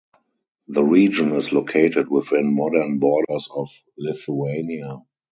The region is located within modern borders of Lithuania.